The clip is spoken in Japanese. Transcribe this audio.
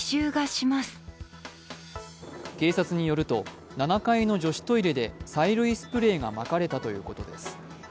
警察によると７階の女子トイレで催涙スプレーがまかれたということです。